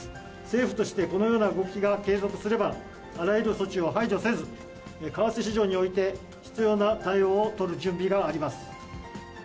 政府として、このような動きが継続すれば、あらゆる措置を排除せず、為替市場において、必要な対応を取る準備があります。